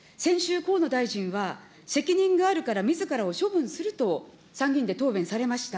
先週、河野大臣は責任があるからみずからを処分すると参議院で答弁されました。